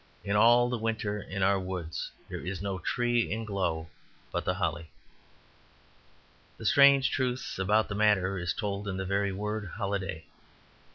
In all the winter in our woods there is no tree in glow but the holly. The strange truth about the matter is told in the very word "holiday."